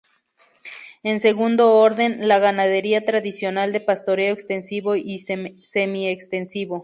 En segundo orden, la ganadería tradicional de pastoreo extensivo y semi-extensivo.